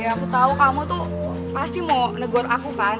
ya aku tau kamu tuh pasti mau negot aku kan